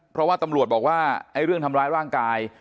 เพราะว่าตำรวจบอกว่าไอ้เรื่องทำร้ายร่างกาย